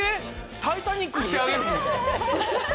タイタニックしてあげる。